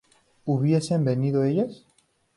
¿hubiesen vivido ellas?